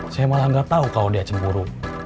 saya malah nggak tahu kalau dia cemburu